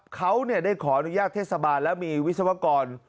เขาได้ขออนุญาตเทศบาลและมีวิศวกร